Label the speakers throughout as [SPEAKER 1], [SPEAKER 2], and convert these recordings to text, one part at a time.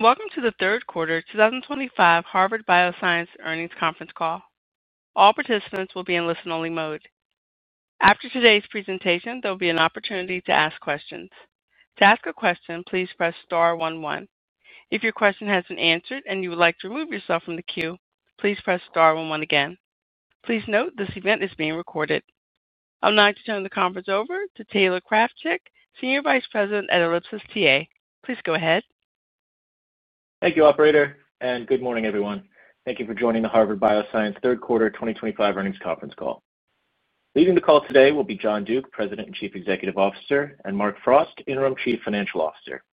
[SPEAKER 1] Welcome to the Third Quarter 2025 Harvard Bioscience Earnings Conference Call. All participants will be in listen-only mode. After today's presentation, there will be an opportunity to ask questions. To ask a question, please press star 11. If your question has been answered and you would like to remove yourself from the queue, please press star 11 again. Please note this event is being recorded. I'm now going to turn the conference over to Taylor Krawczyk, Senior Vice President at ELLIPSIS TA. Please go ahead.
[SPEAKER 2] Thank you, Operator, and good morning, everyone. Thank you for joining the Harvard Bioscience Third Quarter 2025 Earnings Conference Call. Leading the call today will be John Duke, President and Chief Executive Officer, and Mark Frost, Interim Chief Financial Officer.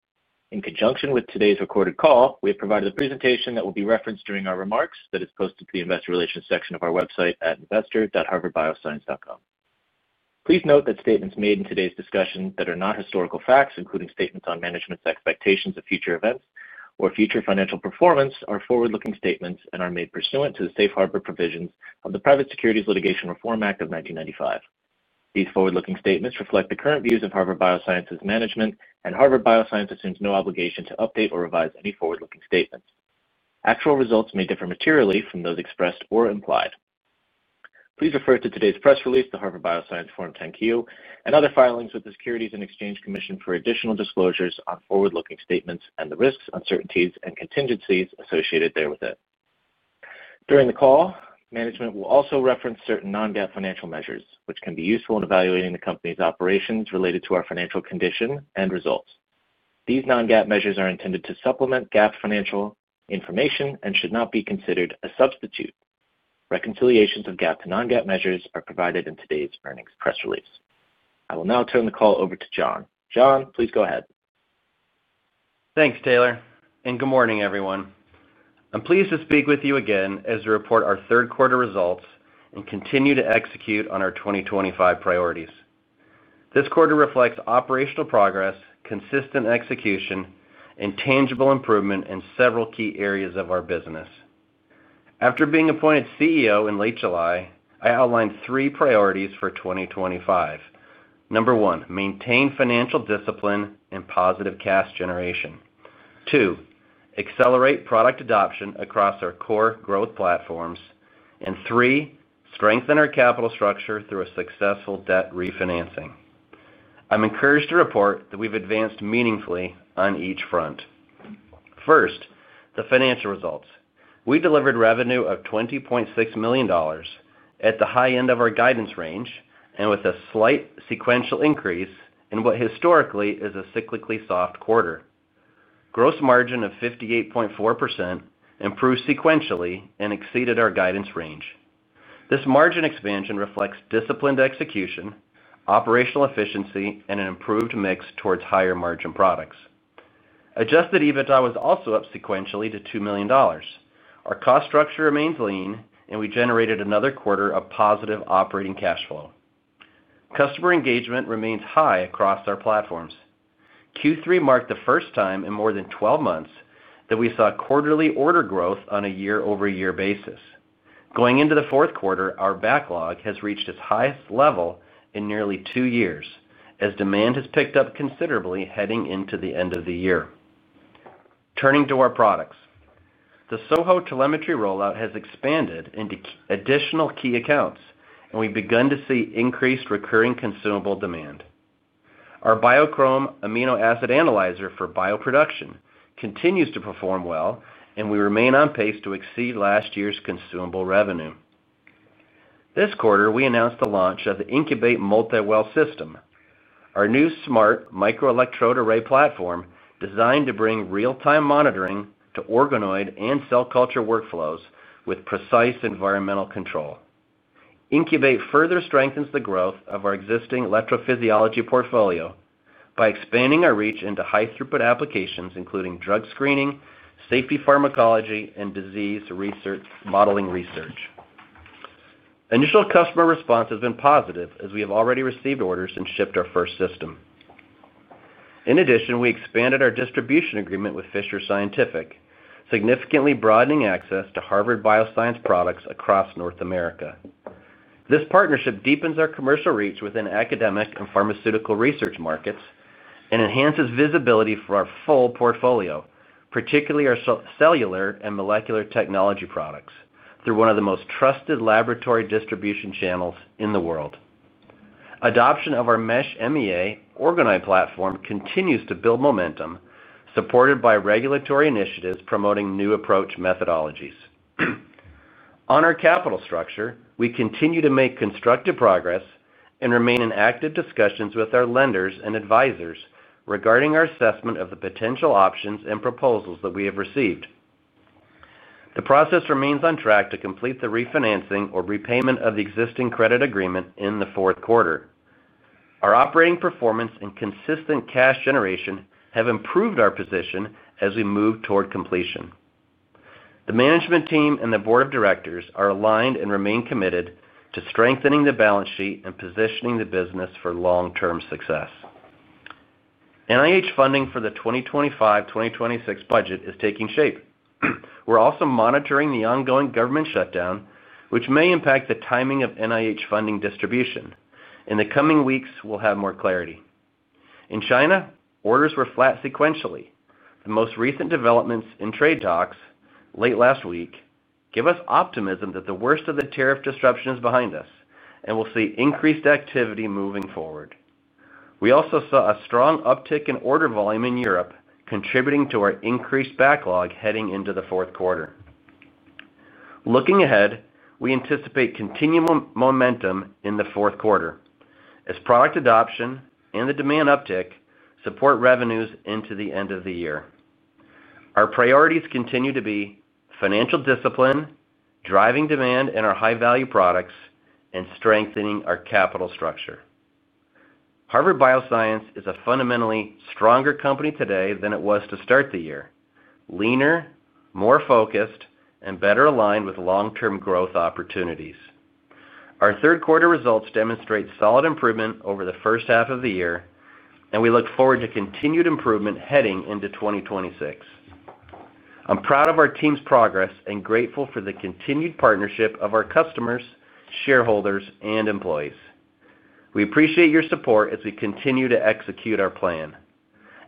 [SPEAKER 2] In conjunction with today's recorded call, we have provided a presentation that will be referenced during our remarks that is posted to the Investor Relations section of our website at investor.harvardbioscience.com. Please note that statements made in today's discussion that are not historical facts, including statements on management's expectations of future events or future financial performance, are forward-looking statements and are made pursuant to the safe harbor provisions of the Private Securities Litigation Reform Act of 1995. These forward-looking statements reflect the current views of Harvard Bioscience's management, and Harvard Bioscience, assumes no obligation to update or revise any forward-looking statements. Actual results may differ materially from those expressed or implied. Please refer to today's press release, Harvard Bioscience Form 10-Q, and other filings with the Securities and Exchange Commission, for additional disclosures on forward-looking statements and the risks, uncertainties, and contingencies associated therewith. During the call, management will also reference certain non-GAAP, financial measures, which can be useful in evaluating the company's operations related to our financial condition and results. These non-GAAP, measures are intended to supplement GAAP, financial information and should not be considered a substitute. Reconciliations of GAAP, to non-GAAP, measures are provided in today's earnings press release. I will now turn the call over to John. John, please go ahead.
[SPEAKER 3] Thanks, Taylor, and good morning, everyone. I'm pleased to speak with you again as we report our third quarter, results and continue to execute on our 2025 priorities. This quarter, reflects operational progress, consistent execution, and tangible improvement in several key areas of our business. After being appointed CEO, in late July, I outlined three, priorities for 2025. Number one, maintain financial discipline and positive cash generation. Two, accelerate product adoption across our core growth platforms. Three, strengthen our capital structure through a successful debt refinancing. I'm encouraged to report that we've advanced meaningfully on each front. First, the financial results. We delivered revenue, of $20.6 million, at the high end of our guidance range and with a slight sequential increase in what historically is a cyclically soft quarter. Gross margin, of 58.4% improved sequentially and exceeded our guidance range. This margin expansion reflects disciplined execution, operational efficiency, and an improved mix towards higher margin products. Adjusted EBITDA, was also up sequentially to $2 million. Our cost structure remains lean, and we generated another quarter, of positive operating cash flow. Customer engagement remains high across our platforms. Q3, marked the first time in more than 12 months, that we saw quarterly order growth on a year-over-year basis. Going into the fourth quarter, our backlog has reached its highest level in nearly two years, as demand has picked up considerably heading into the end of the year. Turning to our products, the SOHO, telemetry rollout has expanded into additional key accounts, and we've begun to see increased recurring consumable demand. Our Biochrome Amino Acid Analyzer, for bioproduction, continues to perform well, and we remain on pace to exceed last year's consumable revenue. This quarter, we announced the launch of the Incubate MultiWell system, our new Smart Microelectrode Array platform, designed to bring real-time monitoring to organoid, and cell culture workflows, with precise environmental control. Incubate, further strengthens the growth of our existing electrophysiology, portfolio by expanding our reach into high-throughput applications, including drug screening, safety pharmacology, and disease research modeling research. Initial customer response has been positive, as we have already received orders and shipped our first system. In addition, we expanded our distribution agreement with Fisher Scientific, significantly broadening access to Harvard Bioscience, products across North America. This partnership deepens our commercial reach within academic and pharmaceutical research markets, and enhances visibility for our full portfolio, particularly our cellular and molecular technology products, through one of the most trusted laboratory distribution channels in the world. Adoption of our Mesh MEA, organoid platform continues to build momentum, supported by regulatory initiatives promoting new approach methodologies. On our capital structure, we continue to make constructive progress and remain in active discussions with our lenders and advisors regarding our assessment of the potential options and proposals that we have received. The process remains on track to complete the refinancing or repayment of the existing credit agreement in the fourth quarter. Our operating performance, and consistent cash generation, have improved our position as we move toward completion. The management team, and the board of directors, are aligned and remain committed to strengthening the balance sheet and positioning the business for long-term success. NIH funding, for the 2025-2026, budget is taking shape. We're also monitoring the ongoing government shutdown, which may impact the timing of NIH funding, distribution. In the coming weeks, we'll have more clarity. In China, orders were flat sequentially. The most recent developments in trade talks late last week give us optimism that the worst of the tariff disruption, is behind us, and we'll see increased activity moving forward. We also saw a strong uptick in order volume in Europe, contributing to our increased backlog heading into the fourth quarter. Looking ahead, we anticipate continued momentum in the fourth quarter, as product adoption and the demand uptick support revenues into the end of the year. Our priorities continue to be financial discipline, driving demand in our high-value products, and strengthening our capital structure. Harvard Bioscience, is a fundamentally stronger company today than it was to start the year: leaner, more focused, and better aligned with long-term growth opportunities. Our third quarter, results demonstrate solid improvement over the first half of the year, and we look forward to continued improvement heading into 2026. I'm proud of our team's progress and grateful for the continued partnership of our customers, shareholders, and employees. We appreciate your support as we continue to execute our plan.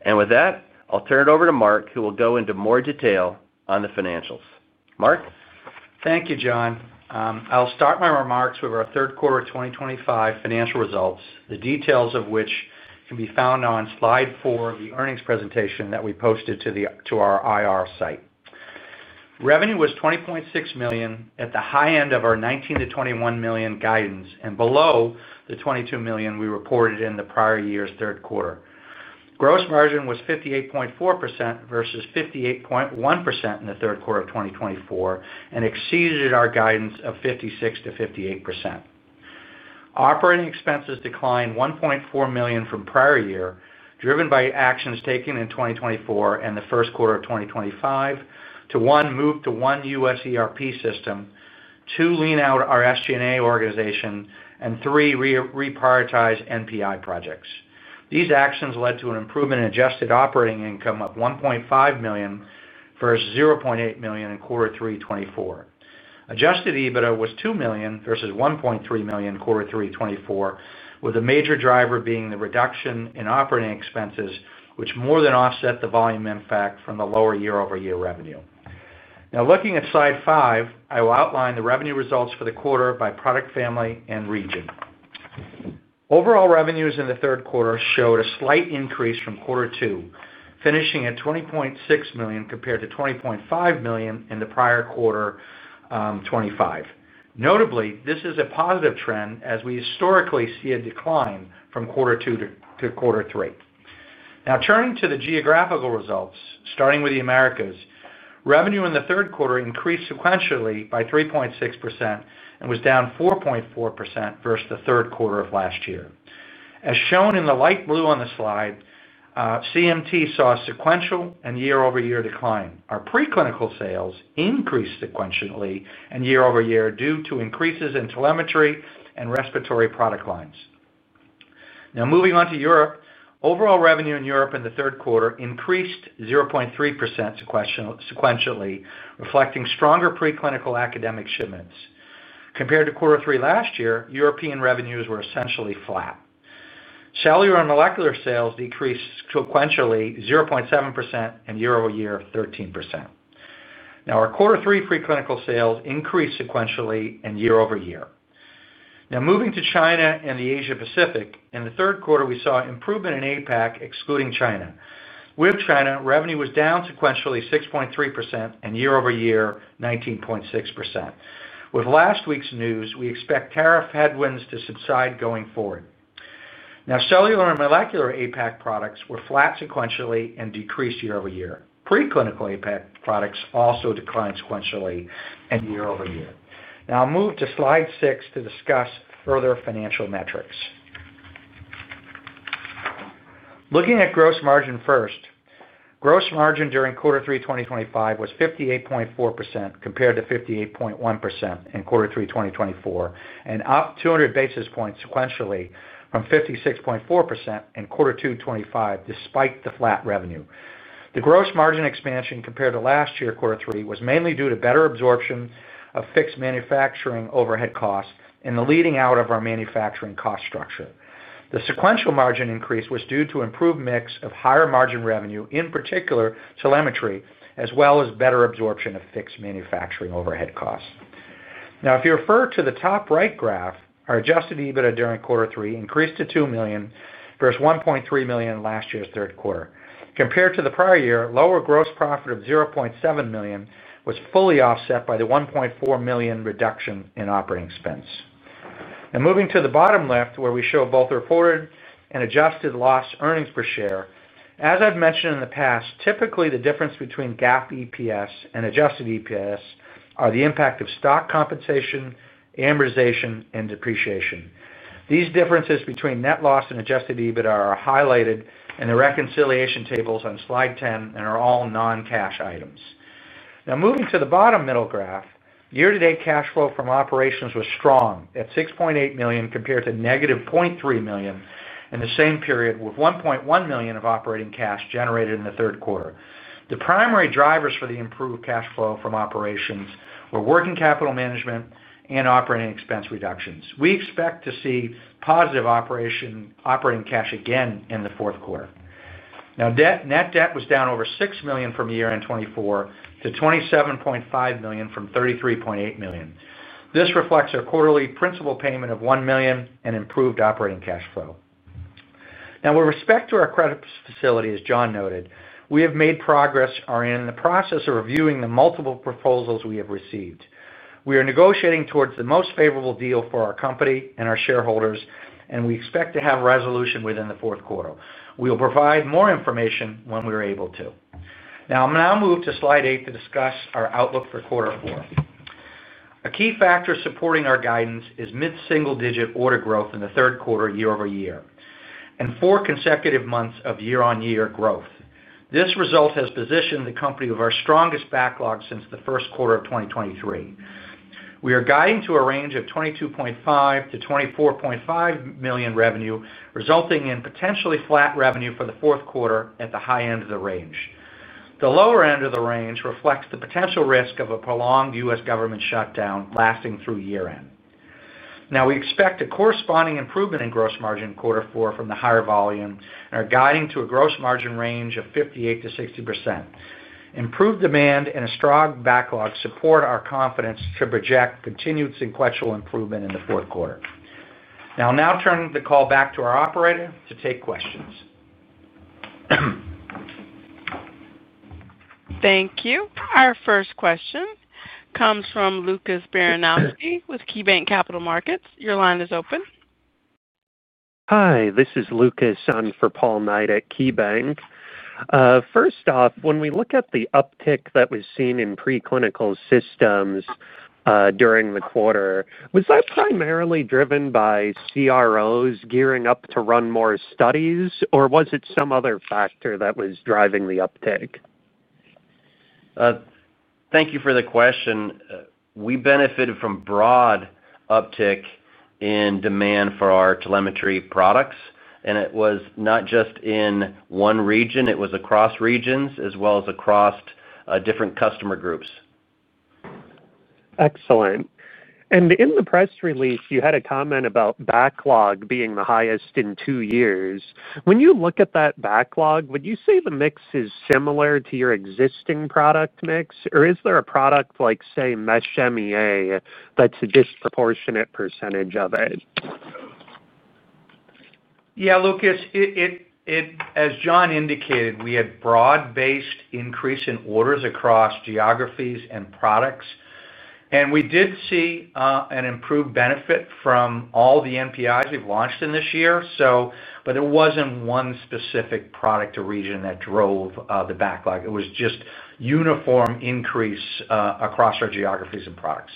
[SPEAKER 3] With that, I'll turn it over to Mark, who will go into more detail on the financials. Mark.
[SPEAKER 4] Thank you, John. I'll start my remarks with our third quarte,r 2025, financial results, the details of which can be found on slide four of the earnings presentation that we posted to our IR, site. Revenue, was $20.6 million, at the high end of our $19-$21 million, guidance and below the $22 million, we reported in the prior year's third quarter. Gross margin, was 58.4%, versus 58.1%, in the third quarter, of 2024, and exceeded our guidance of 56-58%. Operating expenses, declined $1.4 million, from prior year, driven by actions taken in 2024, and the first quarter of 2025 to: one, move to one U.S. ERP, system, two, lean out our SG&A, organization, and three, reprioritize NPI, projects. These actions led to an improvement in adjusted operating income of $1.5 million, versus $0.8 million, in quarter three, 2024. Adjusted EBITDA, was $2 million, versus $1.3 million, in quarter three 2024, with a major driver being the reduction in operating expenses, which more than offset the volume impact from the lower year-over-year revenue. Now, looking at slide five, I will outline the revenue results for the quarter by product family and region. Overall revenues, in the third quarter, showed a slight increase from quarter two, finishing at $20.6 million, compared to $20.5 million, in the prior quarter. Notably, this is a positive trend as we historically see a decline from quarter two, to quarter three. Now, turning to the geographical results, starting with the Americas, revenue, in the third quarter, increased sequentially by 3.6%, and was down 4.4%, versus the third quarter, of last year. As shown in the light blue on the slide, CMT, saw a sequential and year-over-year decline. Our preclinical sales increased sequentially and year-over-year due to increases in telemetry and respiratory product lines. Now, moving on to Europe, overall revenue in Europe, in the third quarter, increased 0.3%, sequentially, reflecting stronger preclinical academic shipments. Compared to quarter three, last year, European revenues, were essentially flat. Cellular and molecular sales, decreased sequentially 0.7%, and year-over-year 13%. Now, our quarter three, preclinical sales, increased sequentially and year-over-year. Now, moving to China and the Asia-Pacific, in the third quarter, we saw improvement in APAC, excluding China. With China, revenue, was down sequentially 6.3%, and year-over-year 19.6%. With last week's news, we expect tariff headwinds to subside going forward. Now, cellular and molecular APAC, products were flat sequentially and decreased year-over-year. Preclinical APAC, products also declined sequentially and year-over-year. Now, I'll move to slide six to discuss further financial metrics. Looking at gross margin first, gross margin during quarter three 2025 was 58.4%, compared to 58.1%, in quarter three 2024, and up 200 basis points, sequentially from 56.4%, in quarter two 2025, despite the flat revenue. The gross margin, expansion compared to last year quarter three, was mainly due to better absorption of fixed manufacturing overhead costs, and the leaning out of our manufacturing cost structure. The sequential margin, increase was due to improved mix of higher margin revenue, in particular telemetry, as well as better absorption of fixed manufacturing overhead costs. Now, if you refer to the top right graph, our adjusted EBITDA, during quarter three, increased to $2 million, versus $1.3 million, last year's third quarter. Compared to the prior year, lower gross profit of $0.7 million, was fully offset by the $1.4 million, reduction in operating expense. Now, moving to the bottom left, where we show both reported and adjusted loss earnings per share, as I've mentioned in the past, typically the difference between GAAP EPS, and adjusted EPS, are the impact of stock compensation, amortization, and depreciation. These differences between net loss and adjusted EBITDA, are highlighted in the reconciliation tables on slide 10, and are all non-cash items. Now, moving to the bottom middle graph, year-to-date cash flow from operations was strong at $6.8 million, compared to negative $0.3 million, in the same period, with $1.1 million, of operating cash, generated in the third quarter. The primary drivers for the improved cash flow from operations were working capital management, and operating expense, reductions. We expect to see positive operating cash again in the fourth quarter. Now, net debt was down over $6 million, from year-end 2024, to $27.5 million, from $33.8 million. This reflects our quarterly principal payment, of $1 million, and improved operating cash flow. Now, with respect to our credit facility, as John noted, we have made progress. We are in the process of reviewing the multiple proposals we have received. We are negotiating towards the most favorable deal for our company and our shareholders, and we expect to have resolution within the fourth quarter. We will provide more information when we are able to. Now, I'll move to slide eight to discuss our outlook for quarter four. A key factor supporting our guidance is mid-single-digit order growth in the third quarter, year-over-year and four consecutive months of year-on-year growth. This result has positioned the company with our strongest backlog since the first quarter, of 2023. We are guiding to a range of $22.5 million-$24.5 million, revenue, resulting in potentially flat revenue for the fourth quarter, at the high end of the range. The lower end of the range reflects the potential risk of a prolonged U.S. government shutdown lasting through year-end. Now, we expect a corresponding improvement in gross margi,n quarter four, from the higher volume and are guiding to a gross margin, range of 58%-60%. Improved demand and a strong backlog support our confidence to project continued sequential improvement in the fourth quarter. Now, I'll turn the call back to our operator to take questions.
[SPEAKER 1] Thank you. Our first question comes from Lucas Baranowski, with KeyBanc Capital Markets. Your line is open.
[SPEAKER 5] Hi, this is Lucas. For Paul Knight, at KeyBanc. First off, when we look at the uptick that was seen in preclinical systems during the quarter, was that primarily driven by CROs, gearing up to run more studies, or was it some other factor that was driving the uptick?
[SPEAKER 3] Thank you for the question. We benefited from broad uptick in demand for our telemetry products, and it was not just in one region. It was across regions as well as across different customer groups.
[SPEAKER 5] Excellent. In the press release, you had a comment about backlog being the highest in two years. When you look at that backlog, would you say the mix is similar to your existing product mix, or is there a product like, say, Mesh MEA, that's a disproportionate percentage of it?
[SPEAKER 4] Yeah, Lucas. As John, indicated, we had broad-based increase in orders across geographies and products, and we did see an improved benefit from all the NPIs, we've launched in this year, but it wasn't one specific product or region that drove the backlog. It was just uniform increase across our geographies and products.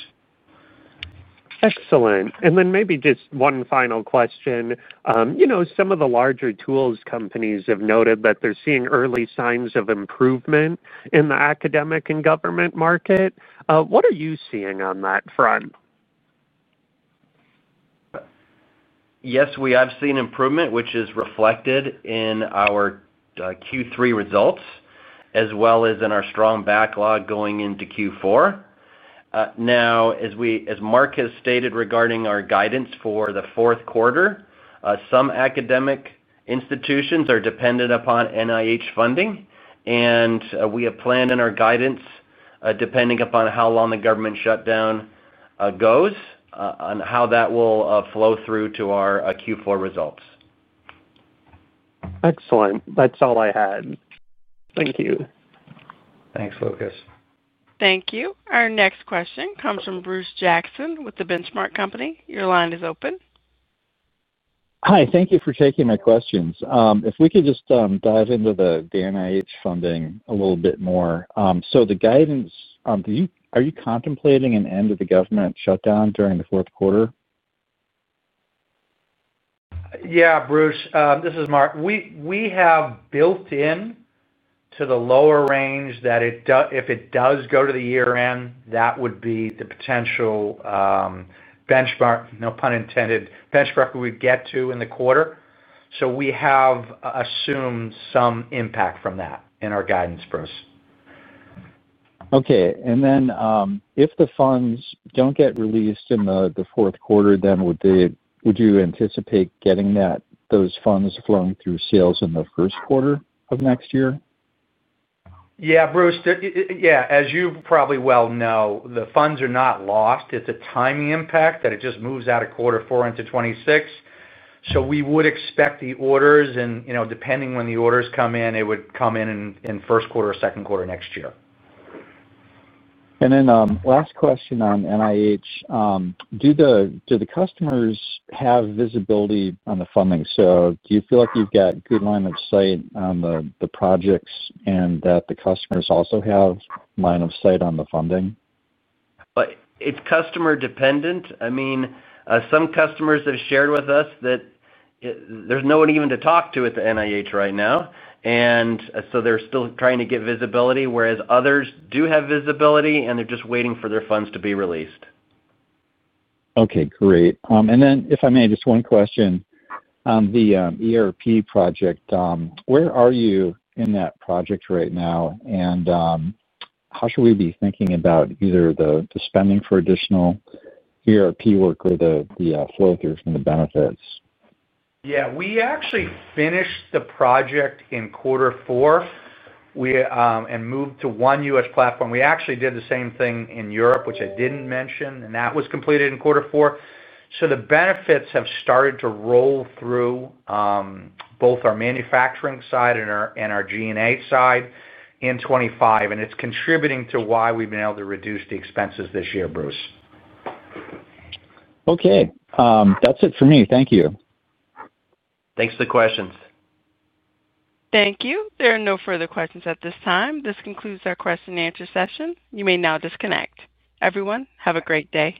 [SPEAKER 5] Excellent. Maybe just one final question. Some of the larger tools companies have noted that they're seeing early signs of improvement in the academic and government market. What are you seeing on that front?
[SPEAKER 3] Yes, we have seen improvement, which is reflected in our Q3, results as well as in our strong backlog going into Q4. Now, as Mark, has stated regarding our guidance for the fourth quarter, some academic institutions are dependent upon NIH funding, and we have planned in our guidance depending upon how long the government shutdown goes and how that will flow through to our Q4 ,results.
[SPEAKER 5] Excellent. That's all I had. Thank you.
[SPEAKER 3] Thanks, Lucas.
[SPEAKER 1] Thank you. Our next question comes from Bruce Jackson, with The Benchmark Company. Your line is open.
[SPEAKER 6] Hi, thank you for taking my questions. If we could just dive into the NIH funding, a little bit more. The guidance, are you contemplating an end-of-the-government shutdown during the fourth quarter?
[SPEAKER 4] Yeah, Bruce, this is Mark. We have built into the lower range that if it does go to the year-end, that would be the potential. Benchmark, no pun intended, benchmark we would get to in the quarter. We have assumed some impact from that in our guidance, Bruce.
[SPEAKER 6] Okay. If the funds don't get released in the fourth quarter, would you anticipate getting those funds flowing through sales in the first quarter of next year?
[SPEAKER 4] Yeah, Bruce. Yeah, as you probably well know, the funds are not lost. It's a timing impact that it just moves out of quarter four into 2026. So we would expect the orders, and depending when the orders come in, it would come in in first quarter or second quarter next year.
[SPEAKER 6] Last question on NIH. Do the customers have visibility on the funding? Do you feel like you've got good line of sight on the projects and that the customers also have line of sight on the funding?
[SPEAKER 3] It's customer-dependent. I mean, some customers have shared with us that there's no one even to talk to at the NIH, right now, and so they're still trying to get visibility, whereas others do have visibility, and they're just waiting for their funds to be released.
[SPEAKER 6] Okay, great. If I may, just one question on the ERP, project. Where are you in that project right now? How should we be thinking about either the spending for additional ERP, work or the flow through from the benefits?
[SPEAKER 4] Yeah, we actually finished the project in quarter four. We moved to one U.S. platform. We actually did the same thing in Europe, which I did not mention, and that was completed in quarter four. The benefits have started to roll through. Both our manufacturing side and our G&A, side in 2025, and it is contributing to why we have been able to reduce the expenses this year, Bruce.
[SPEAKER 6] Okay. That's it for me. Thank you.
[SPEAKER 3] Thanks for the questions.
[SPEAKER 1] Thank you. There are no further questions at this time. This concludes our question-and-answer session. You may now disconnect. Everyone, have a great day.